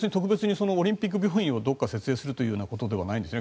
オリンピック病院をどこか設営するということではないんですよね。